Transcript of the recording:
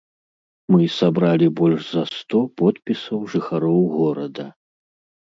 Мы сабралі больш за сто подпісаў жыхароў горада.